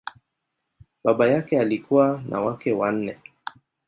Baba yake alikuwa na wake wanne.